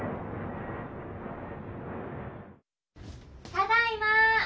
・ただいま！